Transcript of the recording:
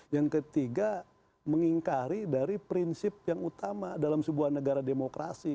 yang ketiga mengingkari dari prinsip yang utama dalam sebuah negara demokrasi